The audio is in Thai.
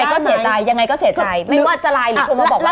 ก็เสียใจยังไงก็เสียใจไม่ว่าจะไลน์หรือโทรมาบอกว่า